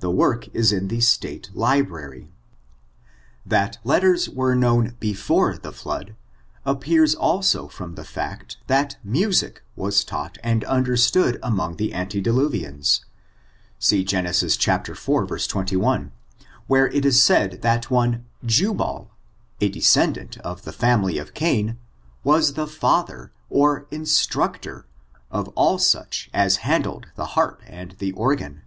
The work is in the State Library. That letters were known before the flood, appears also from the fact that music was taught and under stood among the antediluvians: see Gen. iv, 21, where it is said that one Jiibal, a descendant of the family of Cain, was the father [instructor] of all such as handled the harp and the organ.